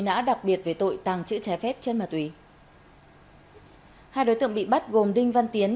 nã đặc biệt về tội tàng trữ trái phép chân ma túy hai đối tượng bị bắt gồm đinh văn tiến